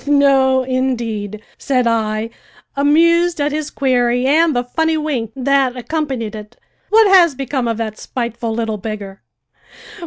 "No, indeed," said I, amused at his query and the funny wink that accompanied it. "What has become of that spiteful little beggar?"